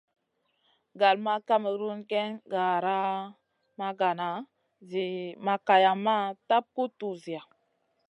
Gal ma kamerun géyn gara ma gana Zi ma kayamma tap guʼ tuwziya.